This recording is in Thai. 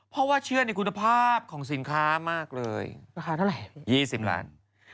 เพราะว่าเชื่อในคุณภาพของสินค้ามากเลยราคาเท่าไหร่๒๐ล้าน